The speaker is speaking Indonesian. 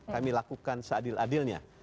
kami lakukan seadil adilnya